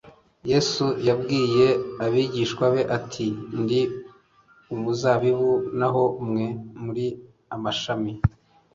Yesu yabwiye abigishwa be ati : "Ndi umuzabibu naho mwe muri amashami."